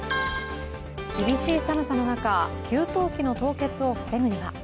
厳しい寒さの中、給湯器の凍結を防ぐには？